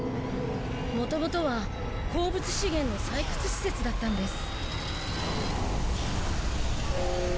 もともとは鉱物資源の採掘施設だったんです。